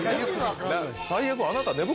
最悪。